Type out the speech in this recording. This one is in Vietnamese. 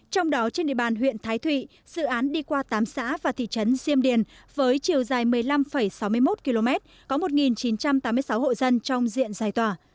trong đó trên địa bàn huyện thái thụy dự án đi qua tám xã và thị trấn diêm điền với chiều dài một mươi năm sáu mươi một km có một chín trăm tám mươi sáu hộ dân trong diện giải tỏa